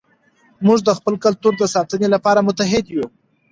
موږ د خپل کلتور د ساتنې لپاره متحد یو.